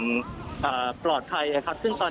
แต่เราก็ได้ยินเสียงปึ้งปั้งตลอดเวลาเลยคุณอภิวัติมันคืออะไรบ้าง